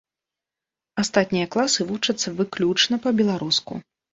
Астатнія класы вучацца выключна па-беларуску.